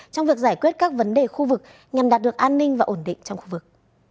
trong việc giải quyết các vấn đề khu vực nhằm đạt được an ninh và ổn định trong khu vực